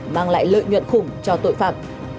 mang lại lợi nhuận khủng cho tội phạm